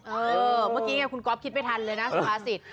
เออเมื่อกี้ไงคุณก๊อบคิดไม่ทันเลยนะสวาสิทธิ์